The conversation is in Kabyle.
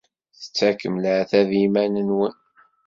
Tettakfemt leɛtab i yiman-nwent.